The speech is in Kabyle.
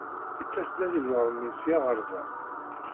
Ittas-d ad iẓer mmi sya ɣer da.